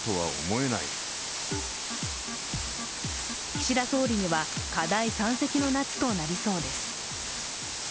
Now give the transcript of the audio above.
岸田総理には課題山積の夏となりそうです。